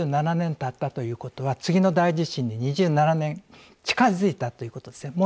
２７年たったということは次の大地震で２７年近づいたということです。